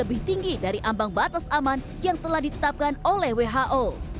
lebih tinggi dari ambang batas aman yang telah ditetapkan oleh who